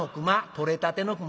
取れたての熊。